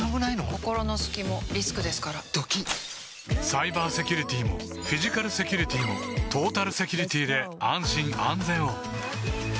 心の隙もリスクですからドキッサイバーセキュリティもフィジカルセキュリティもトータルセキュリティで安心・安全を